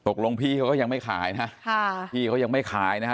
พี่เขาก็ยังไม่ขายนะพี่เขายังไม่ขายนะฮะ